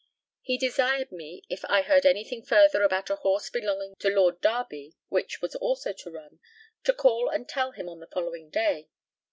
He desired me, if I heard anything further about a horse belonging to Lord Derby, which was also to run, to call and tell him on the following day.